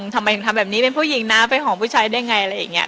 ทำไมทำแบบนี้เป็นผู้หญิงนะเป็นของผู้ชายได้ไง